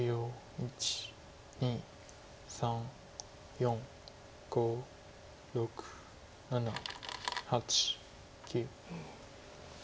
１２３４５６７８９。